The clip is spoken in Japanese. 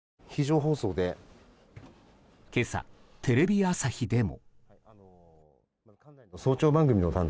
今朝、テレビ朝日でも。